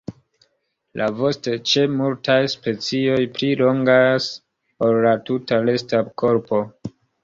La vosto ĉe multaj specioj pli longas ol la tuta resta korpo.